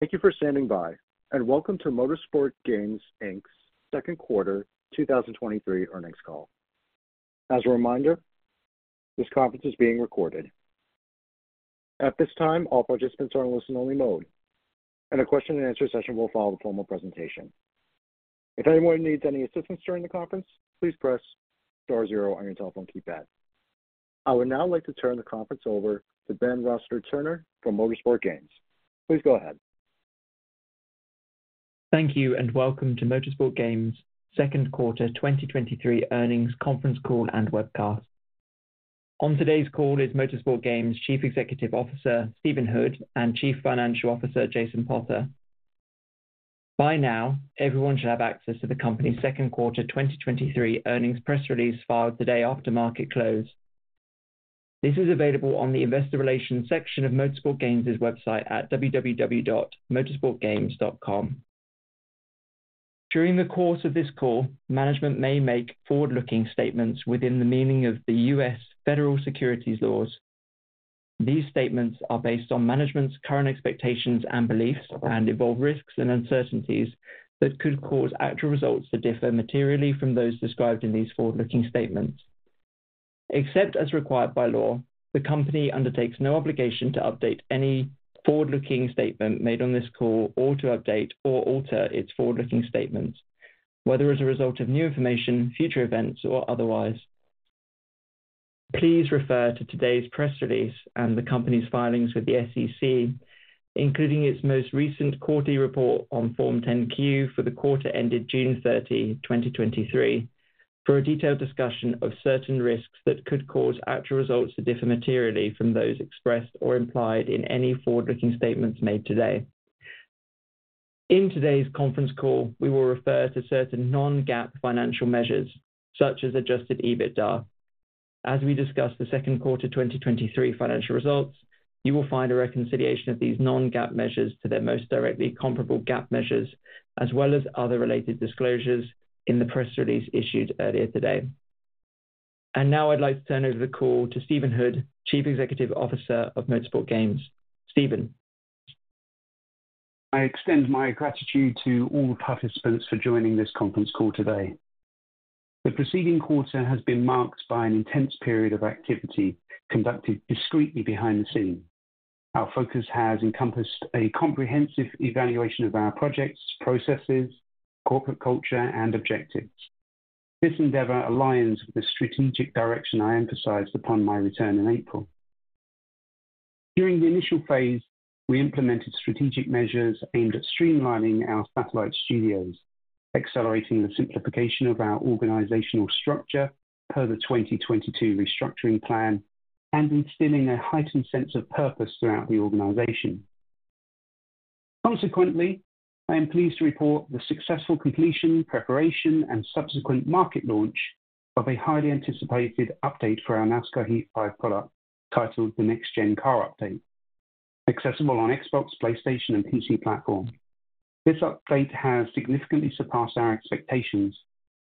Thank you for standing by. Welcome to Motorsport Games Inc's Second Quarter 2023 Earnings Call. As a reminder, this conference is being recorded. At this time, all participants are in listen-only mode, and a question-and-answer session will follow the formal presentation. If anyone needs any assistance during the conference, please press star zero on your telephone keypad. I would now like to turn the conference over to Ben Rossiter-Turner from Motorsport Games. Please go ahead. Thank you, and welcome to Motorsport Games' Second Quarter 2023 Earnings Conference Call and Webcast. On today's call is Motorsport Games' Chief Executive Officer, Stephen Hood, and Chief Financial Officer, Jason Potter. By now, everyone should have access to the company's second quarter 2023 earnings press release filed today after market close. This is available on the Investor Relations section of Motorsport Games' website at www.motorsportgames.com. During the course of this call, management may make forward-looking statements within the meaning of the U.S. federal securities laws. These statements are based on management's current expectations and beliefs and involve risks and uncertainties that could cause actual results to differ materially from those described in these forward-looking statements. Except as required by law, the company undertakes no obligation to update any forward-looking statement made on this call or to update or alter its forward-looking statements, whether as a result of new information, future events, or otherwise. Please refer to today's press release and the company's filings with the SEC, including its most recent quarterly report on Form 10-Q for the quarter ended June 30, 2023, for a detailed discussion of certain risks that could cause actual results to differ materially from those expressed or implied in any forward-looking statements made today. In today's conference call, we will refer to certain non-GAAP financial measures, such as adjusted EBITDA. As we discuss the second quarter 2023 financial results, you will find a reconciliation of these non-GAAP measures to their most directly comparable GAAP measures, as well as other related disclosures, in the press release issued earlier today. Now I'd like to turn over the call to Stephen Hood, Chief Executive Officer of Motorsport Games. Stephen? I extend my gratitude to all participants for joining this conference call today. The preceding quarter has been marked by an intense period of activity conducted discreetly behind the scenes. Our focus has encompassed a comprehensive evaluation of our projects, processes, corporate culture, and objectives. This endeavor aligns with the strategic direction I emphasized upon my return in April. During the initial phase, we implemented strategic measures aimed at streamlining our satellite studios, accelerating the simplification of our organizational structure per the 2022 restructuring plan, and instilling a heightened sense of purpose throughout the organization. Consequently, I am pleased to report the successful completion, preparation, and subsequent market launch of a highly anticipated update for our NASCAR Heat 5 product, titled the Next Gen Car Update, accessible on Xbox, PlayStation, and PC platform. This update has significantly surpassed our expectations,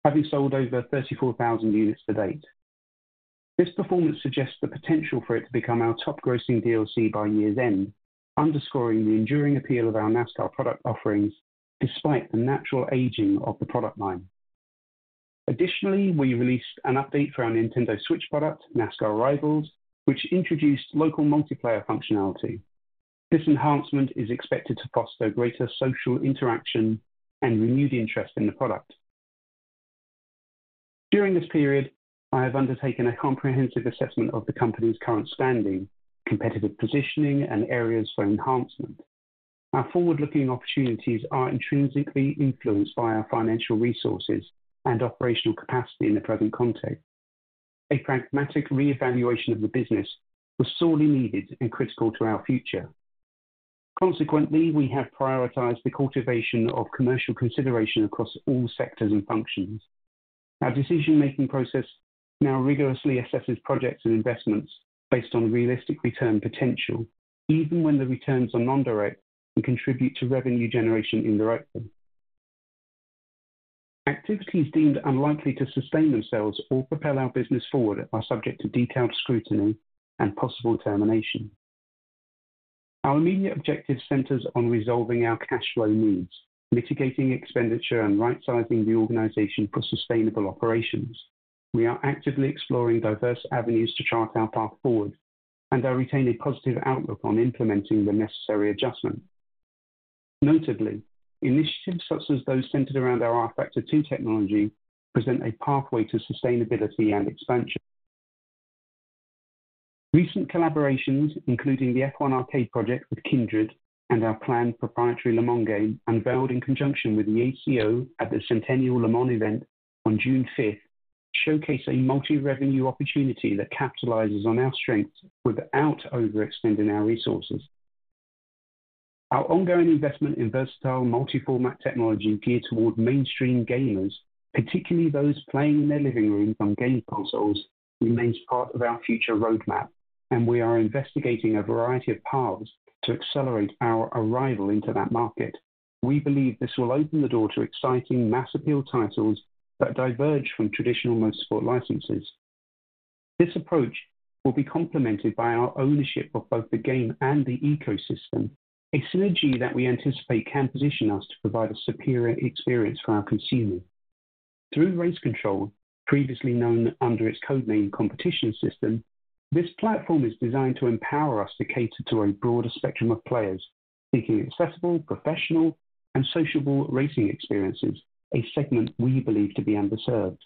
having sold over 34,000 units to date. This performance suggests the potential for it to become our top grossing DLC by year's end, underscoring the enduring appeal of our NASCAR product offerings despite the natural aging of the product line. Additionally, we released an update for our Nintendo Switch product, NASCAR Rivals, which introduced local multiplayer functionality. This enhancement is expected to foster greater social interaction and renew the interest in the product. During this period, I have undertaken a comprehensive assessment of the company's current standing, competitive positioning, and areas for enhancement. Our forward-looking opportunities are intrinsically influenced by our financial resources and operational capacity in the present context. A pragmatic reevaluation of the business was sorely needed and critical to our future. Consequently, we have prioritized the cultivation of commercial consideration across all sectors and functions. Our decision-making process now rigorously assesses projects and investments based on realistic return potential, even when the returns are non-direct and contribute to revenue generation indirectly. Activities deemed unlikely to sustain themselves or propel our business forward are subject to detailed scrutiny and possible termination. Our immediate objective centers on resolving our cash flow needs, mitigating expenditure, and right-sizing the organization for sustainable operations. We are actively exploring diverse avenues to chart our path forward, and I retain a positive outlook on implementing the necessary adjustment. Notably, initiatives such as those centered around our rFactor 2 technology present a pathway to sustainability and expansion. Recent collaborations, including the F1 Arcade project with Kindred and our planned proprietary Le Mans game, unveiled in conjunction with the ACO at the Centennial Le Mans event on June 5th, showcase a multi-revenue opportunity that capitalizes on our strengths without overextending our resources. Our ongoing investment in versatile multi-format technology geared toward mainstream gamers, particularly those playing in their living rooms on game consoles, remains part of our future roadmap, and we are investigating a variety of paths to accelerate our arrival into that market. We believe this will open the door to exciting mass appeal titles that diverge from traditional motorsport licenses. This approach will be complemented by our ownership of both the game and the ecosystem, a synergy that we anticipate can position us to provide a superior experience for our consumers. Through RaceControl, previously known under its code name, Competition System, this platform is designed to empower us to cater to a broader spectrum of players seeking accessible, professional, and sociable racing experiences, a segment we believe to be underserved.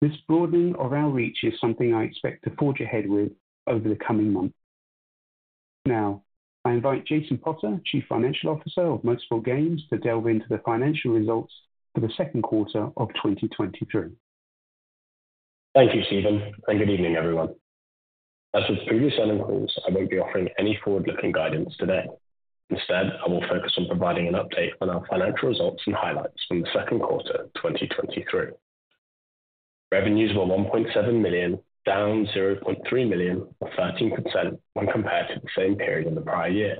This broadening of our reach is something I expect to forge ahead with over the coming months. Now, I invite Jason Potter, Chief Financial Officer of Motorsport Games, to delve into the financial results for the second quarter of 2023. Thank you, Stephen, and good evening, everyone. As with previous earnings calls, I won't be offering any forward-looking guidance today. Instead, I will focus on providing an update on our financial results and highlights from the second quarter, 2023. Revenues were $1.7 million, down $0.3 million, or 13% when compared to the same period in the prior year.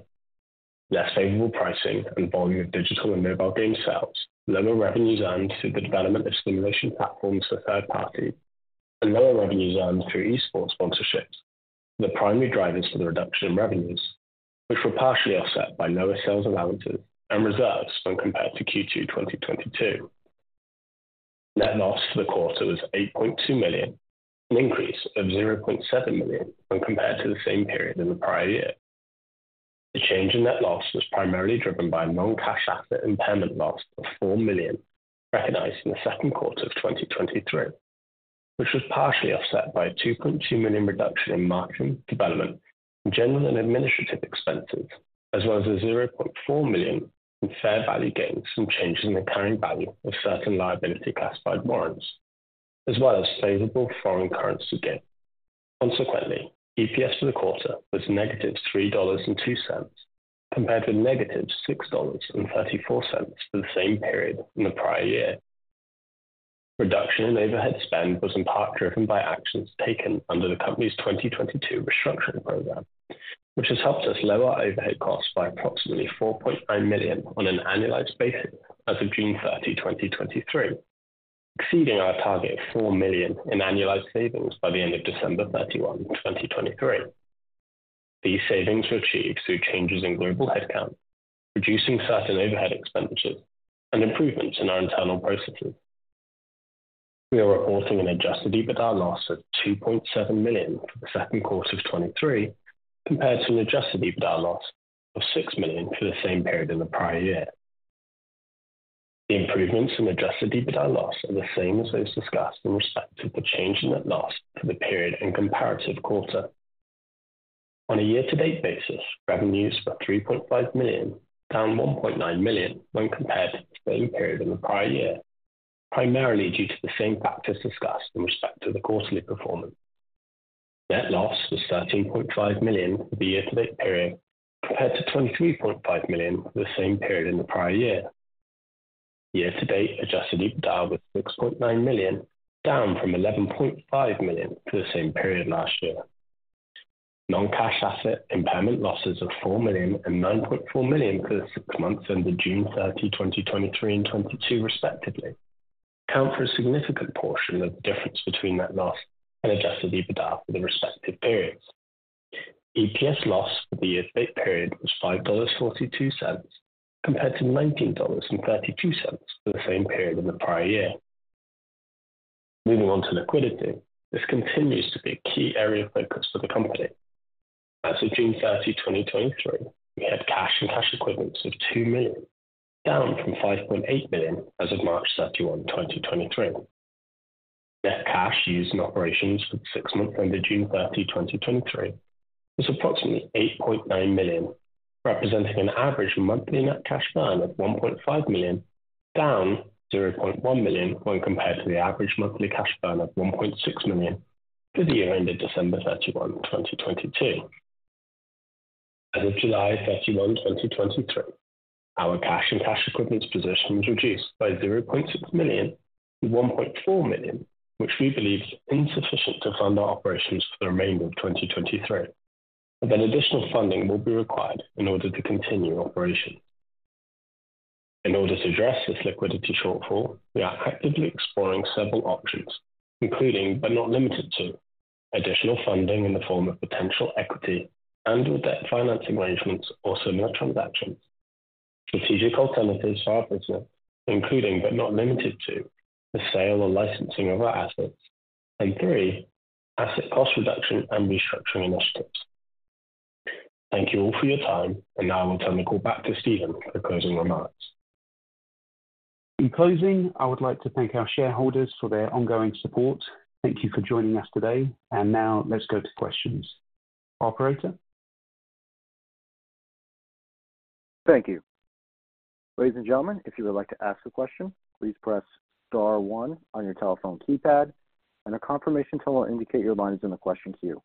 Less favorable pricing and volume of digital and mobile game sales, lower revenues earned through the development of simulation platforms for third parties, and lower revenues earned through esports sponsorships. The primary drivers for the reduction in revenues, which were partially offset by lower sales allowances and reserves when compared to Q2 2022. Net loss for the quarter was $8.2 million, an increase of $0.7 million when compared to the same period in the prior year. The change in net loss was primarily driven by a non-cash asset impairment loss of $4 million, recognized in the Q2 2023, which was partially offset by a $2.2 million reduction in marketing, development in general and administrative expenses, as well as a $0.4 million in fair value gains from changes in the current value of certain liability classified warrants, as well as favorable foreign currency gains. Consequently, EPS for the quarter was -$3.02, compared with -$6.34 for the same period in the prior year. Reduction in overhead spend was in part driven by actions taken under the company's 2022 Restructuring Program, which has helped us lower our overhead costs by approximately $4.9 million on an annualized basis as of June 30, 2023, exceeding our target of $4 million in annualized savings by the end of December 31, 2023. These savings were achieved through changes in global headcount, reducing certain overhead expenditures and improvements in our internal processes. We are reporting an adjusted EBITDA loss of $2.7 million for the second quarter of 2023, compared to an adjusted EBITDA loss of $6 million for the same period in the prior year. The improvements in adjusted EBITDA loss are the same as those discussed in respect to the change in net loss for the period and comparative quarter. On a year-to-date basis, revenues for $3.5 million, down $1.9 million when compared to the same period in the prior year, primarily due to the same factors discussed in respect to the quarterly performance. Net loss was $13.5 million for the year-to-date period, compared to $23.5 million for the same period in the prior year. Year-to-date, adjusted EBITDA was $6.9 million, down from $11.5 million for the same period last year. Non-cash asset impairment losses of $4 million and $9.4 million for the six months ended June 30, 2023 and 2022, respectively, account for a significant portion of the difference between net loss and adjusted EBITDA for the respective periods. EPS loss for the year-to-date period was $5.42, compared to $19.32 for the same period in the prior year. Moving on to liquidity, this continues to be a key area of focus for the company. As of June 30, 2023, we had cash and cash equivalents of $2 million, down from $5.8 million as of March 31, 2023. Net cash used in operations for the six months ended June 30, 2023, was approximately $8.9 million, representing an average monthly net cash burn of $1.5 million, down $0.1 million when compared to the average monthly cash burn of $1.6 million for the year ended December 31, 2022. As of July 31, 2023, our cash and cash equivalents position was reduced by $0.6 million to $1.4 million, which we believe is insufficient to fund our operations for the remainder of 2023. Additional funding will be required in order to continue operations. In order to address this liquidity shortfall, we are actively exploring several options, including, but not limited to, additional funding in the form of potential equity and with debt financing arrangements or similar transactions. Strategic alternatives for our business, including, but not limited to, the sale or licensing of our assets. Three, asset cost reduction and restructuring initiatives. Thank you all for your time, and now I will turn the call back to Stephen for closing remarks. In closing, I would like to thank our shareholders for their ongoing support. Thank you for joining us today. Now let's go to questions. Operator? Thank you. Ladies and gentlemen, if you would like to ask a question, please press star one on your telephone keypad, and a confirmation tone will indicate your line is in the question queue.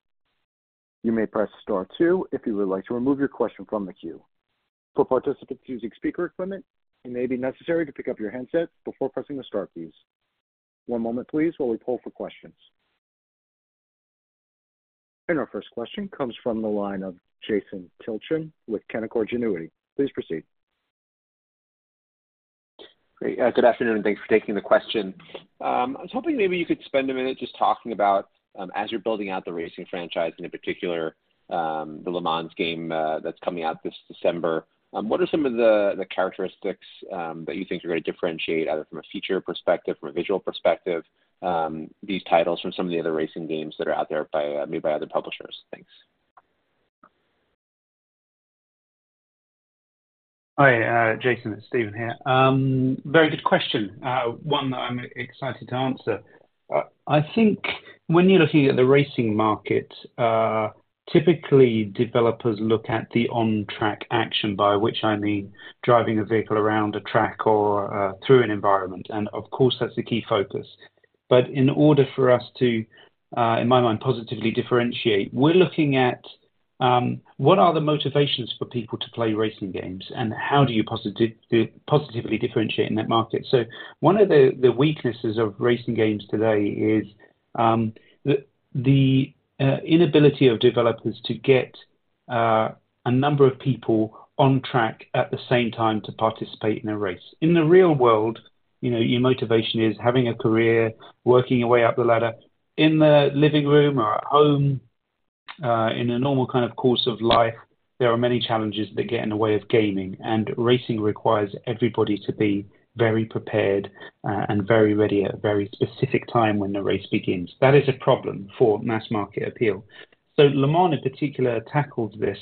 You may press star two if you would like to remove your question from the queue. For participants using speaker equipment, it may be necessary to pick up your handset before pressing the star keys. One moment, please, while we poll for questions. Our first question comes from the line of Jason Tilchin with Canaccord Genuity. Please proceed. Great. Good afternoon, and thanks for taking the question. I was hoping maybe you could spend a minute just talking about, as you're building out the racing franchise, and in particular, the Le Mans game, that's coming out this December. What are some of the characteristics that you think you're gonna differentiate, either from a feature perspective, from a visual perspective, these titles from some of the other racing games that are out there by made by other publishers? Thanks. Hi, Jason, it's Stephen here. Very good question, one that I'm excited to answer. I think when you're looking at the racing market, typically developers look at the on-track action, by which I mean driving a vehicle around a track or, through an environment, and of course, that's a key focus. In order for us to, in my mind, positively differentiate, we're looking at, what are the motivations for people to play racing games and how do you positively differentiate in that market? One of the, the weaknesses of racing games today is, the, the, inability of developers to get, a number of people on track at the same time to participate in a race. In the real world, you know, your motivation is having a career, working your way up the ladder. In the living room or at home, in a normal kind of course of life, there are many challenges that get in the way of gaming, and racing requires everybody to be very prepared, and very ready at a very specific time when the race begins. That is a problem for mass market appeal. Le Mans, in particular, tackles this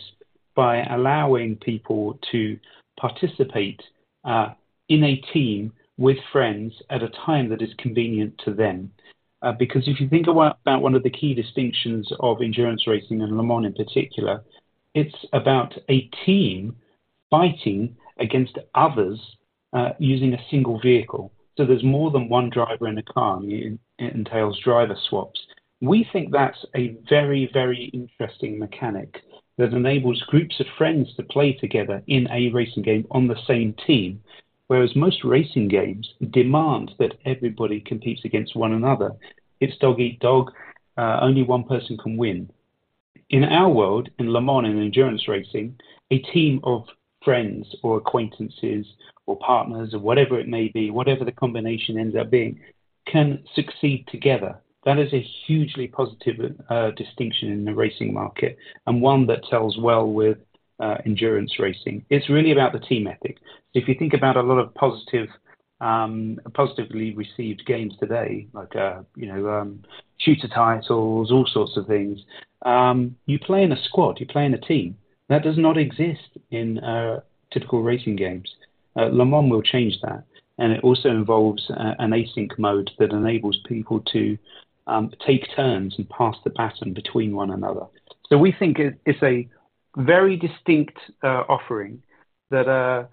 by allowing people to participate, in a team with friends at a time that is convenient to them. Because if you think about, about one of the key distinctions of endurance racing and Le Mans in particular, it's about a team fighting against others, using a single vehicle. There's more than one driver in a car. It, it entails driver swaps. We think that's a very, very interesting mechanic that enables groups of friends to play together in a racing game on the same team, whereas most racing games demand that everybody competes against one another. It's dog eat dog, only one person can win. In our world, in Le Mans and endurance racing, a team of friends or acquaintances or partners or whatever it may be, whatever the combination ends up being, can succeed together. That is a hugely positive distinction in the racing market and one that sells well with endurance racing. It's really about the team ethic. If you think about a lot of positive, positively received games today, like, you know, shooter titles, all sorts of things, you play in a squad, you play in a team. That does not exist in typical racing games. Le Mans will change that, and it also involves an async mode that enables people to take turns and pass the baton between one another. We think it, it's a very distinct offering that our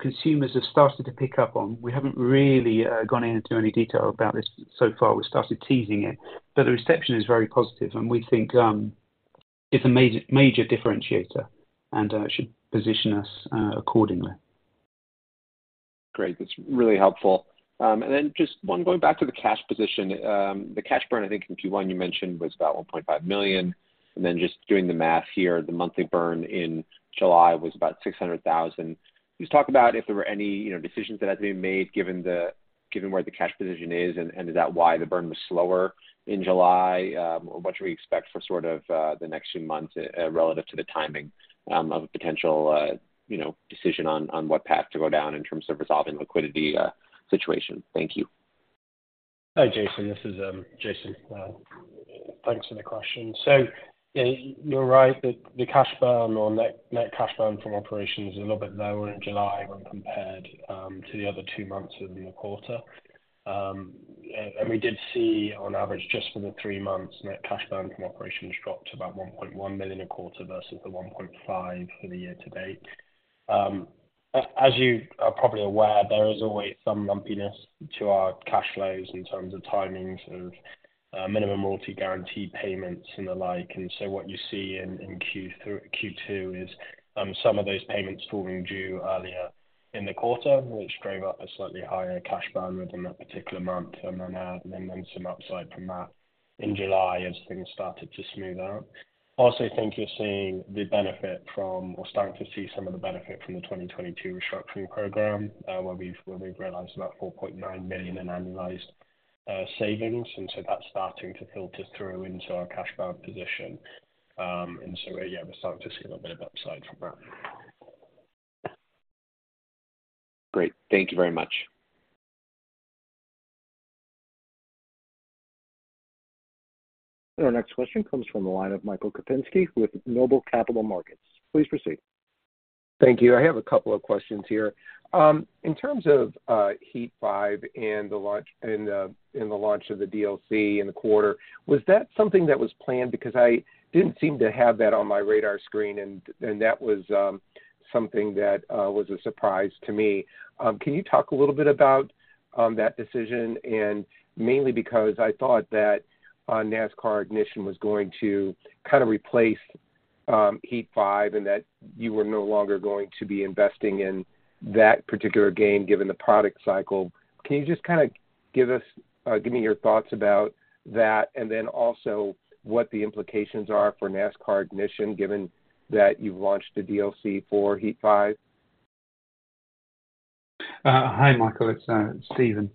consumers have started to pick up on. We haven't really gone into any detail about this so far. We started teasing it, but the reception is very positive, and we think it's a major, major differentiator and should position us accordingly. Great. That's really helpful. Then just one going back to the cash position. The cash burn, I think in Q1 you mentioned, was about $1.5 million, and then just doing the math here, the monthly burn in July was about $600,000. Can you just talk about if there were any, you know, decisions that had to be made given where the cash position is, and is that why the burn was slower in July? What should we expect for sort of, the next few months, relative to the timing, of a potential, you know, decision on, on what path to go down in terms of resolving the liquidity, situation? Thank you. Hi, Jason. This is Jason. Thanks for the question. You're right, the, the cash burn or net, net cash burn from operations is a little bit lower in July when compared to the other two months in the quarter. We did see on average, just for the three months, net cash burn from operations dropped to about $1.1 million a quarter versus the $1.5 million for the year to date. As, as you are probably aware, there is always some lumpiness to our cash flows in terms of timings of minimum royalty guarantee payments and the like. What you see in Q3, Q2 is some of those payments falling due earlier in the quarter, which drove up a slightly higher cash burn within that particular month, and then some upside from that in July as things started to smooth out. Also, I think you're seeing the benefit from or starting to see some of the benefit from the 2022 Restructuring Program, where we've realized about $4.9 million in annualized savings, and so that's starting to filter through into our cash burn position. Yeah, we're starting to see a little bit of upside from that. Great. Thank you very much. Our next question comes from the line of Michael Kupinski with Noble Capital Markets. Please proceed. Thank you. I have a couple of questions here. In terms of Heat 5 and the launch and the launch of the DLC in the quarter, was that something that was planned? Because I didn't seem to have that on my radar screen, and that was something that was a surprise to me. Can you talk a little bit about that decision? Mainly because I thought that NASCAR Ignition was going to kind of replace Heat 5 and that you were no longer going to be investing in that particular game, given the product cycle. Can you just kind of give us, give me your thoughts about that, and then also what the implications are for NASCAR Ignition, given that you've launched the DLC for Heat 5? Hi, Michael, it's Stephen.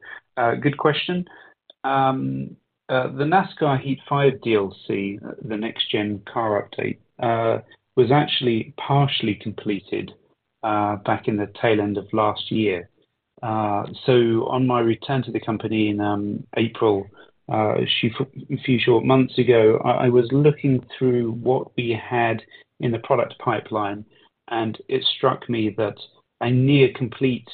Good question. The NASCAR Heat 5 DLC, the Next Gen Car Update, was actually partially completed back in the tail end of last year. On my return to the company in April, a few, a few short months ago, I, I was looking through what we had in the product pipeline, and it struck me that a near complete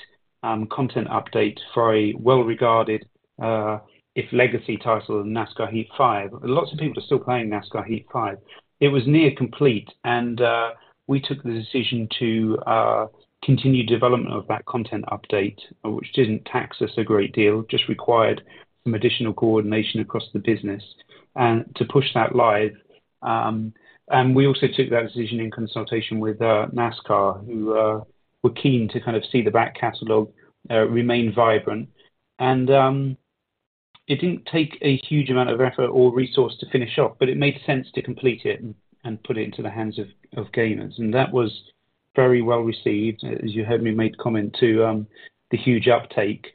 content update for a well-regarded, if legacy title, NASCAR Heat 5. Lots of people are still playing NASCAR Heat 5. It was near complete, and we took the decision to continue development of that content update, which didn't tax us a great deal, just required some additional coordination across the business, and to push that live. We also took that decision in consultation with NASCAR, who were keen to kind of see the back catalog remain vibrant. It didn't take a huge amount of effort or resource to finish off, but it made sense to complete it and put it into the hands of gamers. That was very well received, as you heard me make comment to the huge uptake.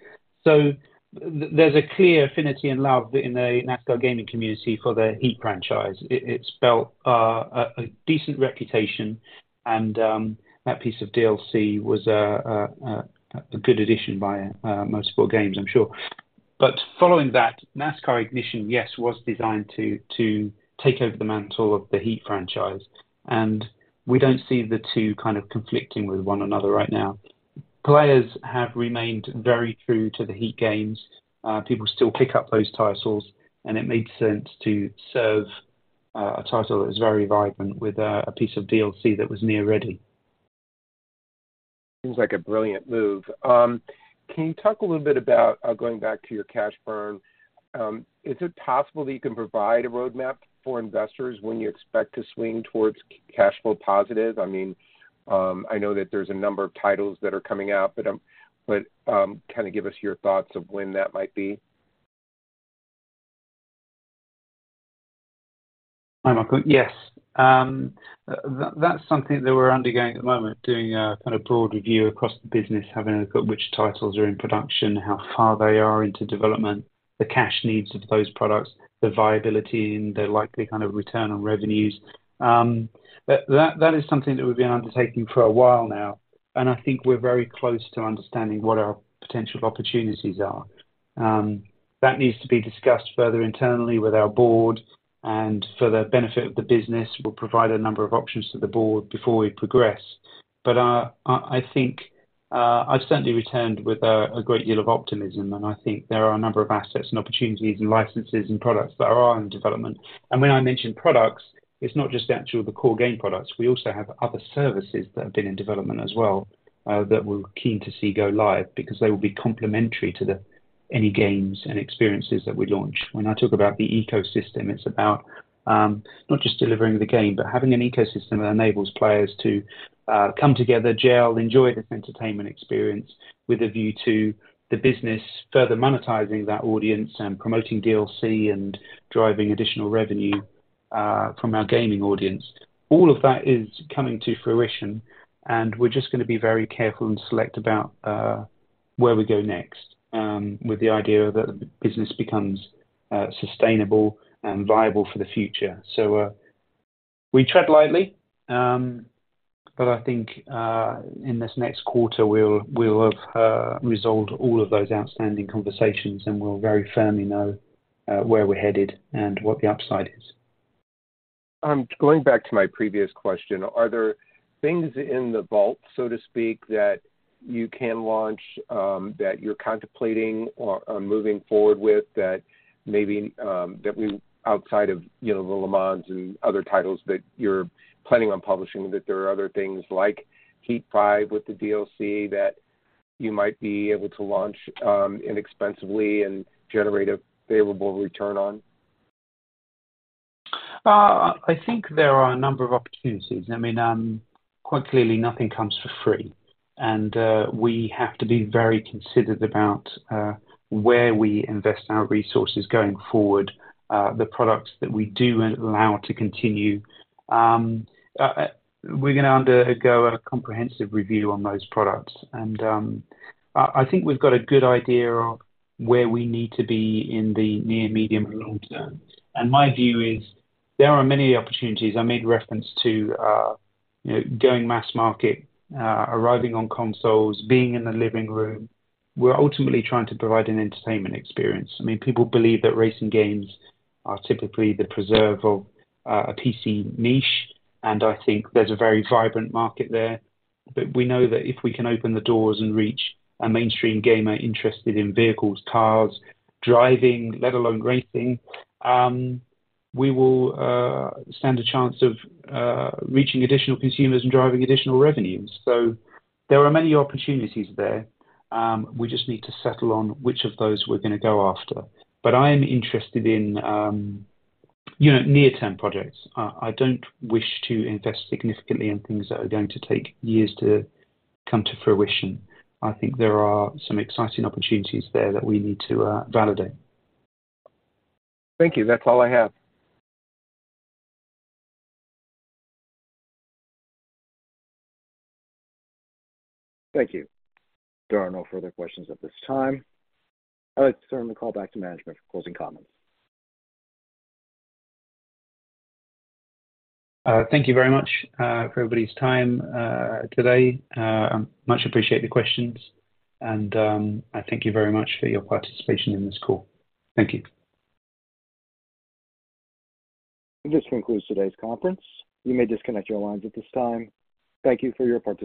There's a clear affinity and love in the NASCAR gaming community for the Heat franchise. It's built a decent reputation and that piece of DLC was a good addition by Motorsport Games, I'm sure. Following that, NASCAR Ignition, yes, was designed to take over the mantle of the Heat franchise. We don't see the two kind of conflicting with one another right now. Players have remained very true to the Heat games. People still pick up those titles, it made sense to serve a title that was very vibrant with a piece of DLC that was near ready. Seems like a brilliant move. Can you talk a little bit about going back to your cash burn, is it possible that you can provide a roadmap for investors when you expect to swing towards cash flow positive? I mean, I know that there's a number of titles that are coming out, but kind of give us your thoughts of when that might be. Hi, Michael. Yes, that's something that we're undergoing at the moment, doing a kind of broad review across the business, having a look at which titles are in production, how far they are into development, the cash needs of those products, the viability and the likely kind of return on revenues. That, that is something that we've been undertaking for a while now, and I think we're very close to understanding what our potential opportunities are. That needs to be discussed further internally with our board, and for the benefit of the business, we'll provide a number of options to the board before we progress. I think, I've certainly returned with a great deal of optimism, and I think there are a number of assets and opportunities and licenses and products that are in development. When I mention products, it's not just actual the core game products. We also have other services that have been in development as well, that we're keen to see go live because they will be complementary to the, any games and experiences that we launch. When I talk about the ecosystem, it's about not just delivering the game, but having an ecosystem that enables players to come together, gel, enjoy this entertainment experience with a view to the business, further monetizing that audience and promoting DLC and driving additional revenue from our gaming audience. All of that is coming to fruition, and we're just gonna be very careful and select about where we go next with the idea that the business becomes sustainable and viable for the future. We tread lightly, but I think in this next quarter, we'll, we'll have resolved all of those outstanding conversations, and we'll very firmly know where we're headed and what the upside is. Going back to my previous question, are there things in the vault, so to speak, that you can launch, that you're contemplating or, or moving forward with that maybe, that we outside of, you know, the Le Mans and other titles that you're planning on publishing, that there are other things like Heat 5 with the DLC, that you might be able to launch, inexpensively and generate a favorable return on? I think there are a number of opportunities. I mean, quite clearly, nothing comes for free, and we have to be very considered about where we invest our resources going forward, the products that we do allow to continue. We're gonna undergo a comprehensive review on those products, and I, I think we've got a good idea of where we need to be in the near, medium, and long term. My view is there are many opportunities. I made reference to, you know, going mass market, arriving on consoles, being in the living room. We're ultimately trying to provide an entertainment experience. I mean, people believe that racing games are typically the preserve of a PC niche, and I think there's a very vibrant market there. We know that if we can open the doors and reach a mainstream gamer interested in vehicles, cars, driving, let alone racing, we will stand a chance of reaching additional consumers and driving additional revenues. There are many opportunities there. We just need to settle on which of those we're gonna go after. I am interested in, you know, near-term projects. I don't wish to invest significantly in things that are going to take years to come to fruition. I think there are some exciting opportunities there that we need to validate. Thank you. That's all I have. Thank you. There are no further questions at this time. I'd like to turn the call back to management for closing comments. Thank you very much for everybody's time today. I much appreciate the questions, and I thank you very much for your participation in this call. Thank you. This concludes today's conference. You may disconnect your lines at this time. Thank you for your participation.